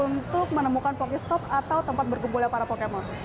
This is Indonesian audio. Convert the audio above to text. untuk menemukan pokestop atau tempat berkumpulnya para pokemon